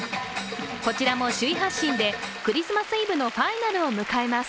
こちらも首位発進でクリスマスイブのファイナルを迎えます。